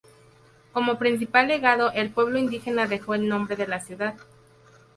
Como principal legado, el pueblo indígena dejó el nombre de la ciudad.